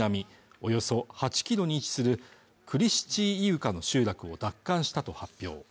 およそ８キロに位置するクリシチーイウカの集落を奪還したと発表